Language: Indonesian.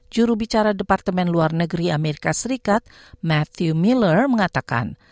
jurubicara departemen luar negeri amerika serikat matthew miller mengatakan